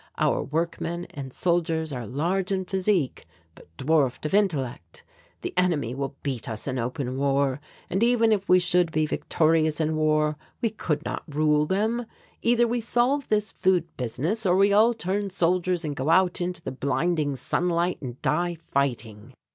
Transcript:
Our workmen and soldiers are large in physique, but dwarfed of intellect. The enemy will beat us in open war, and, even if we should be victorious in war, we could not rule them. Either we solve this food business or we all turn soldiers and go out into the blinding sunlight and die fighting."